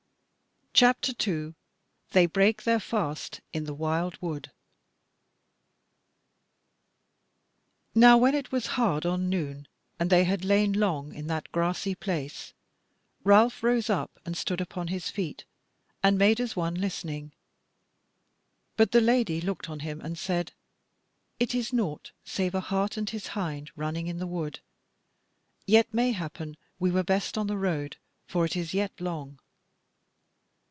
CHAPTER 2 They Break Their Fast in the Wildwood Now when it was hard on noon, and they had lain long in that grassy place, Ralph rose up and stood upon his feet, and made as one listening. But the Lady looked on him and said: "It is naught save a hart and his hind running in the wood; yet mayhappen we were best on the road, for it is yet long."